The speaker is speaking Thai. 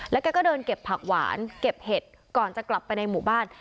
แกก็เดินเก็บผักหวานเก็บเห็ดก่อนจะกลับไปในหมู่บ้าน